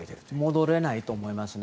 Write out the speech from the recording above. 戻れないと思いますね。